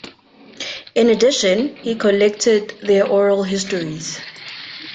In addition, he collected their oral histories.